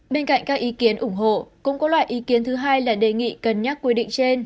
bên cạnh các ý kiến ủng hộ cũng có loại ý kiến thứ hai là đề nghị cân nhắc quy định trên